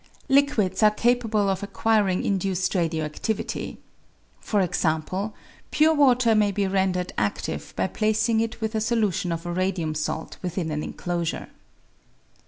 Liquids are capable of acquiring induced radio adivity. For example, pure water may be rendered adive by placing it with a solution of a radium salt within an enclosure.